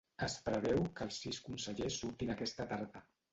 Es preveu que els sis consellers surtin aquesta tarda.